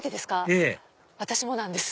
ええ私もなんです。